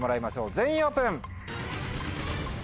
全員オープン！